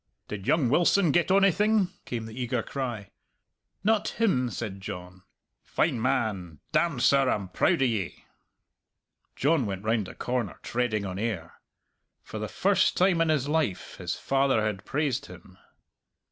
"Did young Wilson get onything?" came the eager cry. "Nut him!" said John. "Fine, man! Damned, sir, I'm proud o' ye!" John went round the corner treading on air. For the first time in his life his father had praised him.